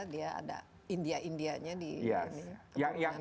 dia ada india indianya di keburuan